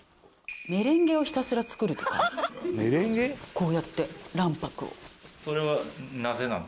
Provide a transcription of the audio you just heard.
こうやって卵白を。